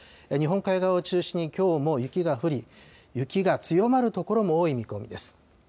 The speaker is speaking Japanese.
日本海側を中心にきょうも雪が降り、雪が強まる所も多い見込みです。